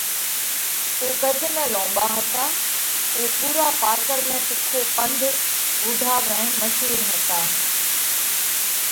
اُو قڌ ۾ لونٻا هتا۔ اُو پُورا پارڪر ۾ تِکو پنڌ ووڍا ۾ مشهُور هتا۔